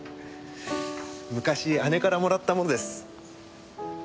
昔姉からもらったものです。